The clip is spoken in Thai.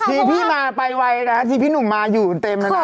จี๊พี่พี่มาไปไวน้อจี๊พี่หนุ่มมาอยู่เต็มน้องน้อย